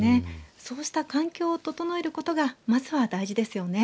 そうした環境を整えることがまずは大事ですよね。